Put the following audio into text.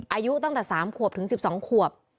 อายุตั้งแต่๓ขวบถึง๑๒ขวบ